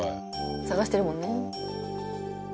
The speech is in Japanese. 探してるもんね。